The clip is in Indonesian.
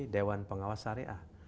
dewan pengawas syariah